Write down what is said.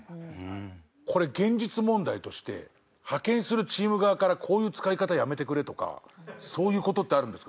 これ現実問題として派遣するチーム側からこういう使い方やめてくれとかそういう事ってあるんですか？